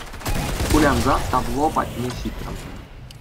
Кулянса табло патне ҫитрӗм.